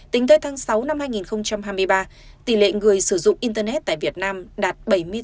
tính tới tháng sáu năm hai nghìn hai mươi ba tỷ lệ người sử dụng internet tại việt nam đạt bảy mươi tám năm mươi chín